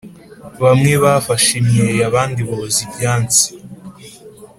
Bamwe bafashe imyeyo Abandi boza ibyansi